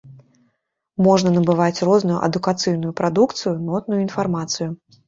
Можна набываць розную адукацыйную прадукцыю, нотную інфармацыю.